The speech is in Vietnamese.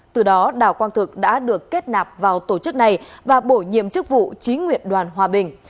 từ đó đào quang thực đã được kết nạp vào tổ chức này và bổ nhiệm chức vụ chính nguyện đoàn hòa bình